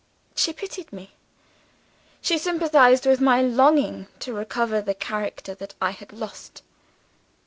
She pitied me; she sympathized with my longing to recover the character that I had lost.